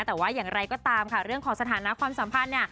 แต่ว่าอย่างไรก็ตามค่ะเรื่องของสถานะความสัมพันธ์